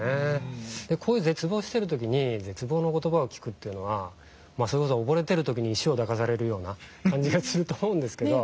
こういう絶望している時に絶望の言葉を聞くというのはそれこそ溺れている時に石を抱かされるような感じがすると思うんですけど。